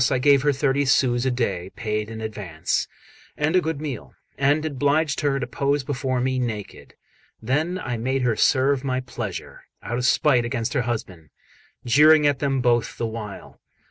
I gave her thirty sous a day, paid in advance, and a good meal, and obliged her to pose before me naked. Then I made her serve my pleasure, out of spite against her husband, jeering at them both the while.